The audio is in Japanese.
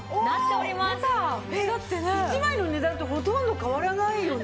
えっ１枚の値段とほとんど変わらないよね？